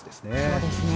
そうですね。